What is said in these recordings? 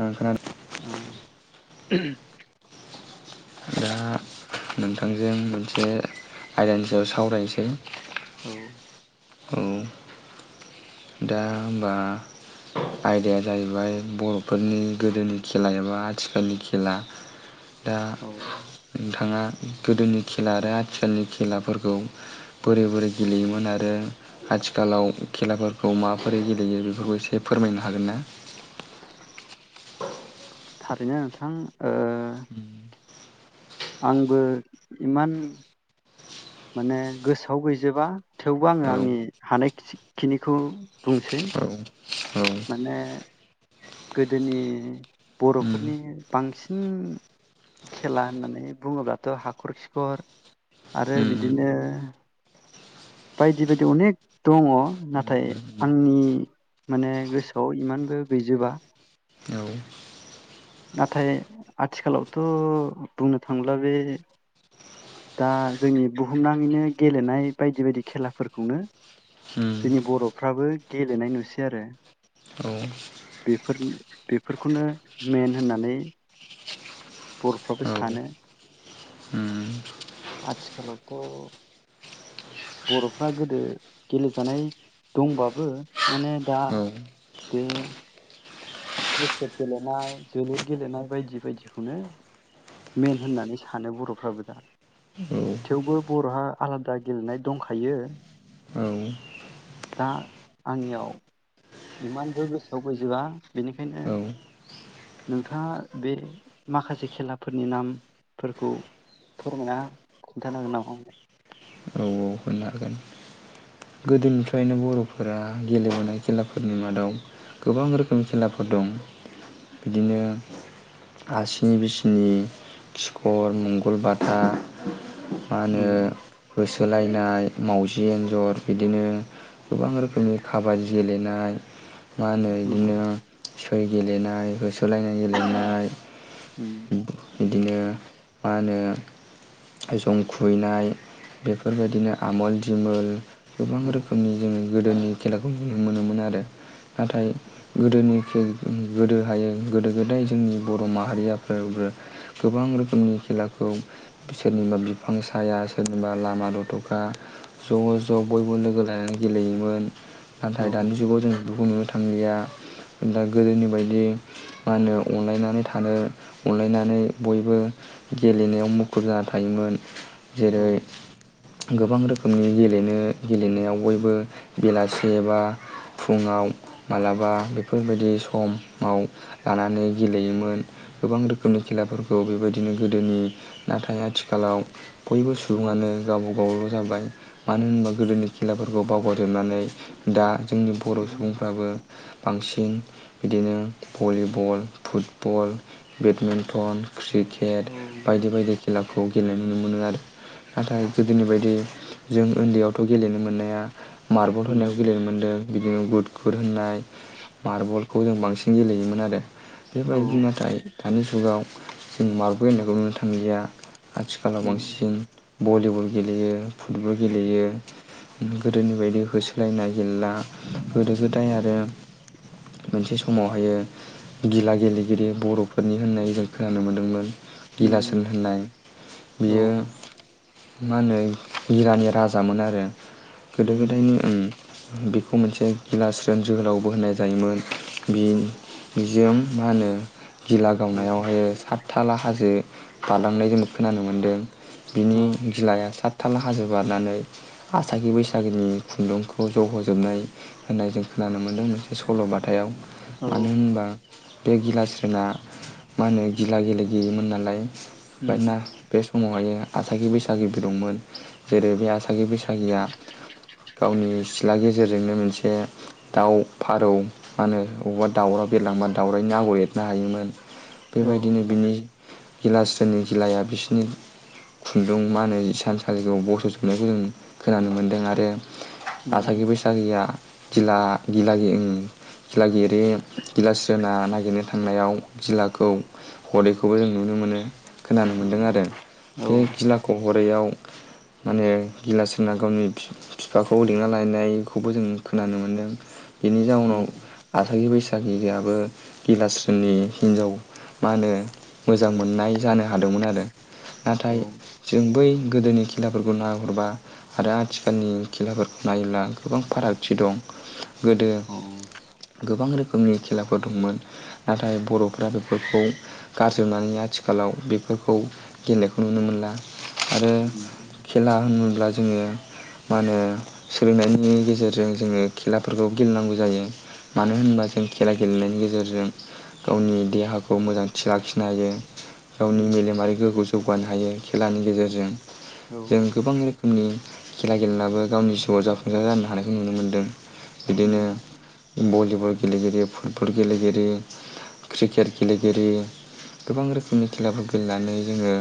ओं खोनादों ओ दा नोंथांजों मोनसे आयदानि सायाव सावरायनोसै औ औ दा होनबा आयदाया जाहैबाय बर'फोरनि गोदोनि खेला एबा आथिखालनि खेला दा औ नोंथाङा गोदोनि खेला आरो आथिखालनि खेलाफोरखौ बोरै बोरै गेलेयोमोन आरो आथिखालाव खेलाफोर खौ माबोरै गेलेयो बेफोरखौ एसे फोरमायनो हागोन ना? थारैनो नोंथां ओ उम आंबो इमान माने गोसोआव गैजोबा थेवबो आङो औ आंनि हानाय खिनिखौ बुंसै औ उम माने गोदोनि बर'फोरनि उम बांसिन खेला होननानै बुङोब्लाथ' हाखर खिखर आरो बिदिनो बायदि बायदि अनेख दङ उम नाथाय आंनि माने गोसोआव इमानबो गैजोबा उम औ नाथाय आथिखालावथ' बुंनो थांब्ला बे दा जोंनि बुहुमनाङैनो गेलेनाय बायदि बायदि खेलाफोरखौनो उम जोंनि बर'फ्राबो गेलेनाय नुसै आरो औ बेफोर बेफोरखौनो मेन होननानै बर'फ्राबो औ सानो उम आथिखालावथ' बर'फ्रा गोदो गेलेजानाय दंबाबो माने दा औ बे क्रिकेट गेलेनाय जोलुर गेलेनाय बायदि बायदिखौनो मेन होननानै सानो बर'फ्राबो दा थेवबो बर'हा आलादा गेलेनाय दंखायो औ दा आंनियाव इमानबो गोसोआव बैजोबा बेनिखायनो औ नोंथाङा बे माखासे खेलाफोरनि नामफोरखौ फोरमायना खिन्थानो हागोन नामा आंनो आव होननो हागोन गोदोनिफ्रायनो बर'फोरा गेलेबोनाय खेलाफोरनि मादाव गोबां रोखोमनि खेलाफोर दं बिदिनो आसिनि बिसिनि खिखर मंगलबाथा मा होनो उम बिसो सोलायनाय मावजि एन्जर बिदिनो गोबां रोखोमनि खाबादि गेलेनाय मा होनो इदिनो उम बि गेलेनाय हो सोलायनाय गेलेनाय उम बिदिनो मा होनो जं खुबैनाय बेफोरबायदिनो आमोल दिमोल गोबां औ रोखोमनि जोङो गोदोनि खेलाखौ नुनो‌ मोनोमोन आरो नाथाय गोदोनि गोदो हायो गोदो गोदाय जोंनि बर' माहारियाफोरो गोबां रोखोमनि खेलाखौ सोरनिबा बिफां साया सोरनिबा ला लामा दथ'खा ज' ज' बयबो लोगो लानानै गेलेयोमोन औ नाथाय दानि जुगाव जों बेुखौ नुनो थांलिया दा गोदोनि बायदि मा होनो अनलायनानै थानो अनलायनानै बयबो गेलेनायाव मुखुब जाना थायोमोन औ जेरै गोबां रोखोमनि गेलेनो गेलेनायाव बयबो बेलासे बा फुङाव मालाबा बेफोरबायदि समाव लानानै गेलेयोमोन गोबां रोखोमनि खेलाफोरखौ बेबायदिनो गोदोनि नाथाय आथिखालाव बयबो औ सुबुङानो गाव गावल' जाबाय मानो होनबा गोदोनि खेलाफोरखौ बावगारजोबनानै दा जोंनि बर' उम सुबुंफ्राबो बांसिन बिदिनो भलिबल फुटबल बेडमिन्टन औ क्रिकेट बायदि बायदि खेला खौ गेलेनाय नुनो मोनो आरो नाथाय गोदोनि बायदि जों उन्दैयावथ' गेलेनो मोननाया मार्बल होननायाव उम गेलेनो मोन्दों बिदिनो गुद गुुर होननाय मार्बल खौ जों बांसिन गेलेयोमोन आरो औ बेबदिनो दायो दानि जुगाव जों मारबल बानायखौ नुनो थांलिया आथिखालाव उम बांसिन बलिबोल गेलेयो फुटबल गेलेयो गोदोनि बायदि होसोलायनाय गेलेला गोदो गोदाय औ आरो मोनसे समावहायो गिला गेलेगिरि बर'फोरनि होननाय जोंखौ खोनानो मोनदोंमोन उम गिलासोन होननाय औ बियो मा होनो बिरानि राजामोन आरो गोदो गोदायनि उम बेखौ मोनसे गिलास रोन जोहोलावबो होनाय जायोमोन बि बिजों मा होनो गिला औ गावनायावहायो सात थाला हाजो बारलांनाय जों खोनानो मोन्दों बिनि अ सातथाल हाजो बारनानै आसागि बैसागिनि खुन्दुंखौ जहजोबनाय होननाय जों खोनानो मोनदों मोनसे सल'बाथाव औ मानो होनोबा बे गिलास्रोमंना मा होनो गिला गेले गिरिमोन नालाय उम नोना बे समावहायो आसागि बैसागि बागिबो दंमोन जेरै बे आसागि बैसागिया गावनि सिथ्ला गेजेरजोंनो मोनसे दाउ फारौ मा होनो अबावबा दाउराव बेरलांबा दाउरनि आगर एरनो हायोमोन औ बेबायदिनो बिनि गिलास्रोननि गिलाया बिसोरनि खुंन मा होनो सानसालिआव बस'जोबनायखौ जों खोनानो मोन्दों आरो आरो आसागि उम बैसागिया गिला गिला गिला ओं गिरे गिलास्रोना नागिरनो थांनायाव गिलाखौ हरैखौबो जों नुनो मोनो। खोनानो मोन्दों उम आरो औ बे गिला हरैयाव माने गिलास्रोना गावनि बिफाखौ लिंना लायनायखौबो जों खोनानो मोन्दों बेनि उम जाउनाव आसागि बैसा जाखिजायाबो गिलास्रिनि हिनजाव मा होनो मोजां मोननाय जानो हादोंमोन आरो नाथाय औ जों बै गोदोनि खेलाफोरखौ नायहरबा आरो आथिखालनि खेलाफोरखौ नायोब्ला गोबां फारागथि दं गोदो गोबां रोखोमनि खेलाफोर दंमोन नाथाय बर'फ्रा बेफोरखौ गारजोबनानै आथिखालाव बेफोरखौ गेलेनायखौ नुनो मोनला आरो उम खेला होनोब्ला ज जोङो मा होनो सोलोंनायनि गेजेरजों जोङो खेलाफोरखौ गेलेनांगौ जायो मानो होनबा जों खेला गेलेनायनि गेजेरजों गावनि देहाखौ मोजांथि लाखिनो हायो। गावनि मेलेमारि गोग्गोजों जौगानो हायो। खेलानि गेजेरजों औ जों गोबां रोखोम रनि खेला गेलेेनाबो गावनि जिउआव जाफुंसार जानो हानायखौ नुनो मोन्दों बिदिनो उम भलिबल गेलेगिरि फुटबल गेलेगिरि क्रिकेट गेलेगिरि गोबां रोखोमनि खेलाफोर गेलेनानै जोङो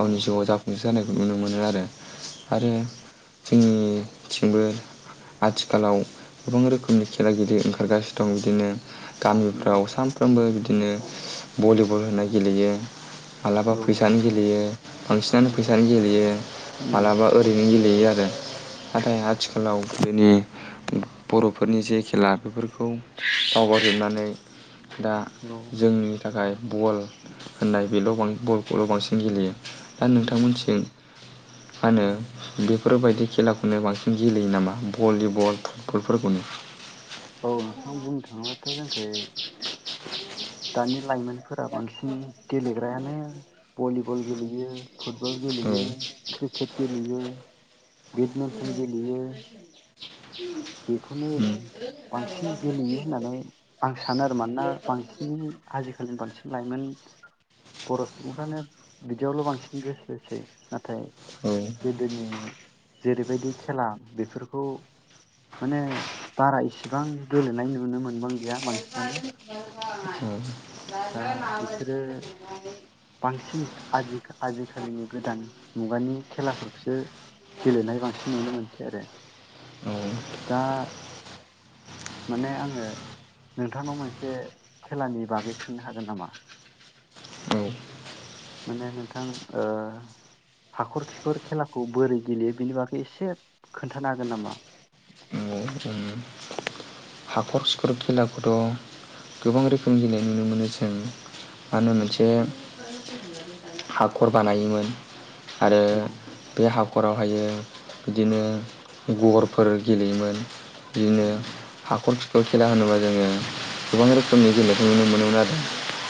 औ अ जाफुंसे जानायखौ नुनो मोनो आरो उम आरो जोंनिथिंबो आथिखालाव गोबां रोखोमनि खेला गेले ओंखारगासिनो दं इदिनो गामिफ्राव उम सानफ्रोमबो बिदिनो भलिबल बल होनाय गेलेयो माब्लाबा औ फैसानि गेलेयो बांसिनानो उम फैसानि गेलेयो उम मालाबा ओरैनो गेलेयो गेलेयो आरो नाथाय आथिखालाव गोदोनि बर'फोरनि जे खेला बेफोरखौ बावगारजोबनानै दा औ जोंनि थाखाय बल होननाय बेल' बांसिन बल खौल' बांसिन गेलेयो दा उम, नोंथांमोनथिं मा होनो बेफोरबायदि खेलाखौनो बांसिन गेलेयो नामा भलिबल फुटबलफोरखौनो? औ नोंथाङा बुंनो थाङोब्लाथ' जोंखि दानि लाइमोन फोरा बांसिन गेलेदो प्रायानो बलिबल गेलेयो फुटबल औ गेलेयो क्रिकेट गेलेयो लेयो बेडमिन्टन गेलेयो बेखौनो उम बांसिन गेलेयो होननानै आं सानो आरो मानोना बांसिनै आजिखालिनि बांसिन लाइमोन बर' सुबुंफ्रानो बिदियावल' बांसिन गोसो होसै नाथाय औ गोदोनि जेरैबायदि खेला बेफोरखौ माने बारा इसिबां गेलेनाय नुनो मोनबां गैया बांसिनानो दा [inaudible] बिसोरो बांसिन [unintelligible] आजिखालिनि गोदान मुगानि खेलाफोरखौसो गेलेनाय बांसिन नुनो मोनसै आरो औ दा माने आङो नोंथांनाव मोनसे खेलानि बागै सोंनो हागोन नामा औ माने नोंथां ओ हाखर खिखर खेलाखौ बोरै गेलेयो बेनि बागै एसे खोन्थानो हागोन नामा औ हाखर सिखर खेलाखौथ' गोबां रोखोम गेलेनाय नुनो मोनो जों मा होनो मोनसे हाखर बानायोमोन आरो औ बे हाखराव ओमफ्रायो बिदिनो गरफोर गेलेयोमोन बिदिनो उम हाखर खिखर खेला होनोबा जोङो गोबां रोखोमनि गेलेनायखौ नुनो मोनोमोन आरो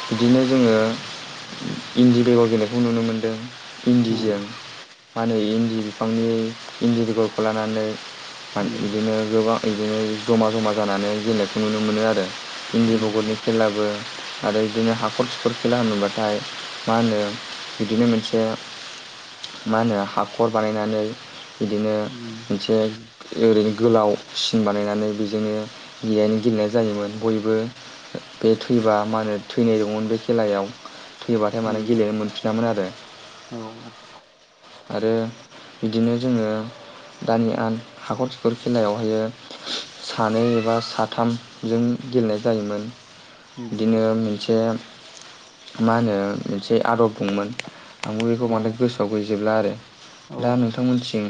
बिदिनो जोङो इन्दि बेगर गेलेनायखौ नुनो मोनदों उम इन्दिजों माानो इन्दि बिफांनि इन्दि बेगरखौ लानानै म उम इदिनो गोबां इदिनो जमा जमा जानानै गेलेनायखौ नुनो मोनो आरो इन्दि उम बेगरनि खेलाबो आरो बिदिनो हाखर खिखर खेला होनोबाथाय मा होनो इदिनो मोनसे मा होनो हाखर बानायनानै इदिनो उम मोनसे ओरैनो गोलाव सिन बानायनानै बेजोंनो गेलनो गेलेनाय जायोमोन बयबो बे थैबा मा होनो थैनाय दंमोन बे खेलायाव थैबाथाय माने उम गेलेनो मोन यामोन आरो औ आरो इदिनो जोङो दानि आ हाखर खिखर खेलायावहायो सानै एबा साथामजों गेलेनाय जायोमोन उम बिदिनो मोनसे मा होनो मोनसे आदब दंमोन आंबो बेखौ औ बांद्राय गोसोआव गैजोबला आरो औ दा नोंथांमोनसिं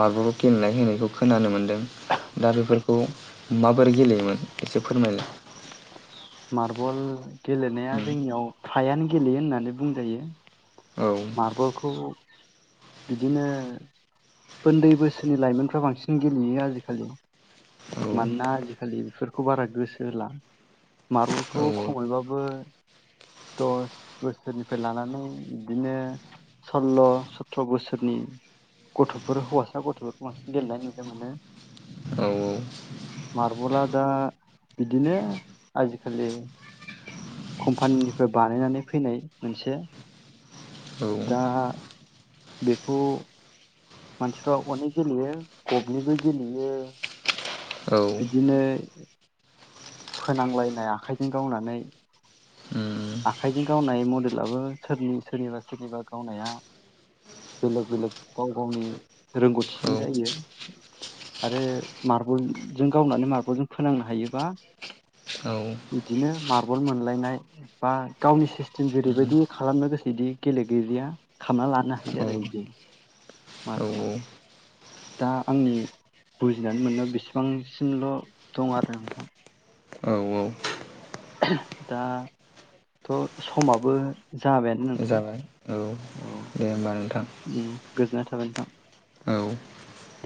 मारबल गेलेनाय होनायखौ खोनानो मोनदों दा बेफोर बे खौ माबोरै गेलेयोमोन एसे फोरमायलाय मार्बल गेलेनाया उम जोंनियाव फ्रायानो गेलेयो होननानै बुंजायो औ मार्बलखौ बिदिनो उन्दै बोसोरनि लाइमोनफ्रा बांसिन गेलेयो आजिखालि औ मानोना आजिखालि बेफोर खौ बारा गोसो होला मारबलखौ औ खमैबाबो दस बोसोरनिफ्राय लानानै बिदिनो सल्ल' सथ्र' बोसोरनि गथ'फोर हौवासा गथ'फोरखौ बांसिन गेलेनाय नुनो मोनो औ मारबला दा बिदिनो आजिखालि कम्पानिनिफ्राय बानायनानै फैनाय मोनसे औ दा बेखौ मानसिफ्रा अनेक गेलेयो गबनिबो गेलेयो औ बिदिनो फोनांलायनाय आखाइजों गावनानै उम आखाइजों गावनाय मडेलाबो सोरनि सोरनिबा सोरनिबा गावनाया बेलेग बेलेग गाव गावनि रोंगौथिजों औ औ जायो आरो मार्बलजों गावनानै मार्बलजों फोनांनो हायोबा उम बिदिनो मार्बल मोनलायनाय बा गावनि जों जेरैबायदि खालामनो गोसो बिदि गेलेगिरिया खालामना लानो हायो आरो औ बिदि मारबला औ दा आंनि बुजिनानै मोननायाव बेसेबांसिमल' दं आरो नोंथां औ औ दाथ' समाबो जाबायानो नोंथां जाबाय औ औ दे होमबा नोंथां गोजोननाय थाबाय [unintelligible] औ दे